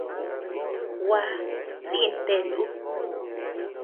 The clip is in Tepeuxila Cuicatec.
Gua, lïn ten ú.